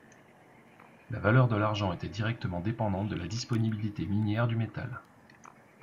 La valeur de l'argent était directement dépendante de la disponibilité minière du métal.